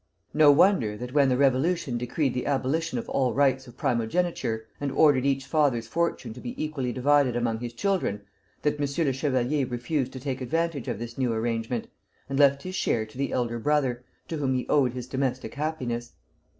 No wonder that when the Revolution decreed the abolition of all rights of primogeniture, and ordered each father's fortune to be equally divided among his children, that M. le Chevalier refused to take advantage of this new arrangement, and left his share to the elder brother, to whom he owed his domestic happiness.